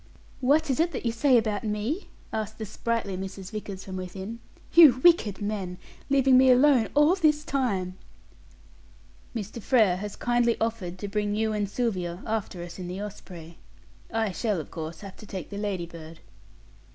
"What is that you say about me?" asked the sprightly Mrs. Vickers from within. "You wicked men, leaving me alone all this time!" "Mr. Frere has kindly offered to bring you and Sylvia after us in the Osprey. I shall, of course, have to take the Ladybird."